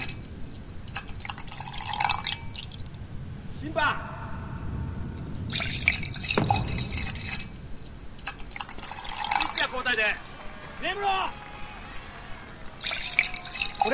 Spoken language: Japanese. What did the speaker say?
審判ピッチャー交代で根室俺？